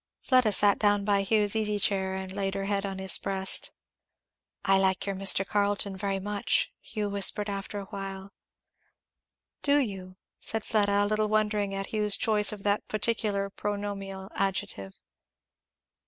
Fleda sat down by Hugh's easy chair and laid her head on his breast. "I like your Mr. Carleton very much," Hugh whispered after awhile. "Do you?" said Fleda, a little wondering at Hugh's choice of that particular pronominal adjective.